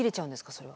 それは。